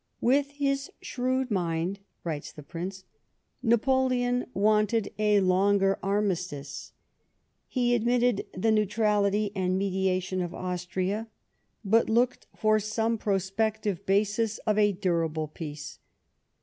" With his shrewd mind," writes the Prince, " Napoleon wanted a longer armistice ; he admitted the neutrality and mediation of Austria, but looked for some prospective basis of a durable peace."